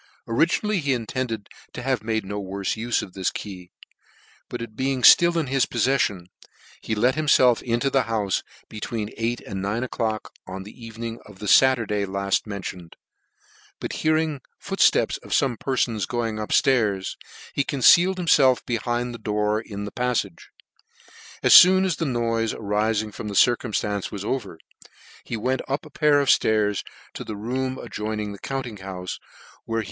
Originally he intended to have made no worfe ufe of this key; but it beinsj ftill in his pofleffion, he let himfelf into the houfe between eight and nine o'clock in the evening of the Saturday lall mentioned ; but hearing the footfleps of fome perfon going up flairs, he con cealed himfelf behind the door in the paffage. As foon as the noife arising from this circuin flance was over, he went up one pair of ftairs to a room adjoining the cbmpting houfe, where he.